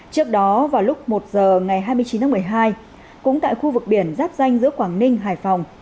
trước đó vào lúc một giờ ngày hai mươi chín tháng một mươi hai cũng tại khu vực biển giáp danh giữa quảng ninh hải phòng